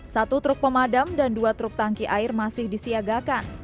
satu truk pemadam dan dua truk tangki air masih disiagakan